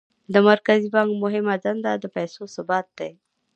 د مرکزي بانک مهمه دنده د پیسو ثبات دی.